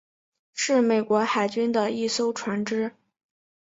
是美国海军的一艘船只。